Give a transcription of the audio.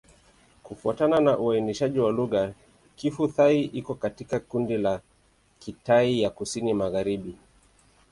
Kufuatana na uainishaji wa lugha, Kiphu-Thai iko katika kundi la Kitai ya Kusini-Magharibi.